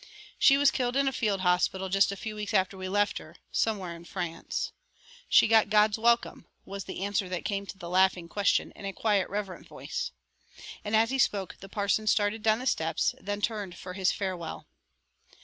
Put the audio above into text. "She was killed in a field hospital just a few weeks after we left her 'somewhere in France.' She got God's welcome!" was the answer that came to the laughing question in a quiet, reverent voice. And as he spoke the parson started down the steps, then turned for his farewell.